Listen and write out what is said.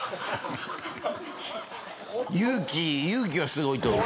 勇気勇気はすごいと思う。